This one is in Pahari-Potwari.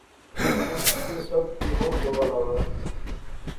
اس ایہہ سب کی بہوں چنگا لاغا